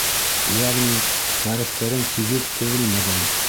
Йәғни хәрефтәрең тигеҙ теҙелмәгән.